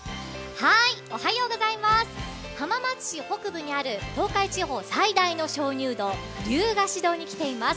浜松市北部にある東海地方最大の鍾乳洞、竜ヶ岩洞に来ています。